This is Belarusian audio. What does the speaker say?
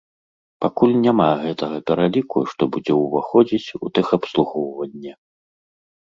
Пакуль няма гэтага пераліку, што будзе ўваходзіць у тэхабслугоўванне.